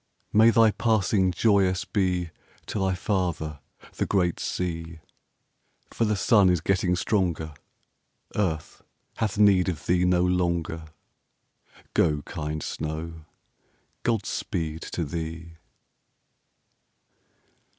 May thy passing joyous be To thy father, the great sea, For the sun is getting stronger; Earth hath need of thee no longer; Go, kind snow, God speed to thee!